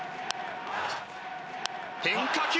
変化球。